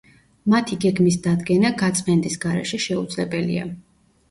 მათი გეგმის დადგენა გაწმენდის გარეშე შეუძლებელია.